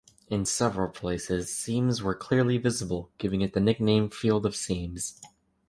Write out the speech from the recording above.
In several places, seams were clearly visible, giving it the nickname "Field of Seams".